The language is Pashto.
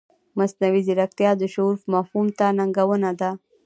مصنوعي ځیرکتیا د شعور مفهوم ته ننګونه ده.